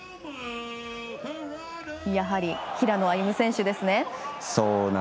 やはり平野歩夢選手ですね。